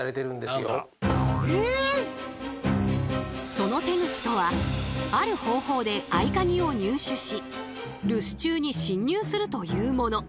その手口とはある方法で合カギを入手し留守中に侵入するというもの。